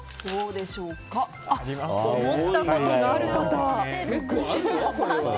思ったことがある方、６５％。